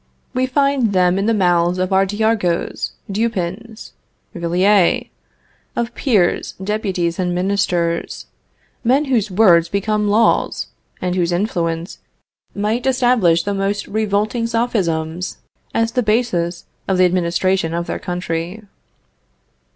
We find them in the mouths of our d'Argouts, Dupins, Villèles; of peers, deputies and ministers; men whose words become laws, and whose influence might establish the most revolting Sophisms, as the basis of the administration of their country.